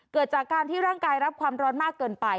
เกิดจากการที่ร่างกายรับความร้อนมากเกินไป